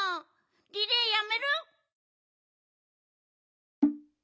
リレーやめる？